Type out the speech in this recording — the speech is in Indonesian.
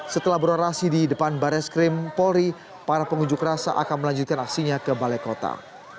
setelah berorasi di depan bares krim polri para pengunjuk rasa akan melanjutkan aksinya ke balai kota